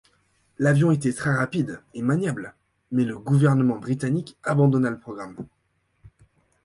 L'avion était très rapide et maniable, mais le gouvernement britannique abandonna le programme.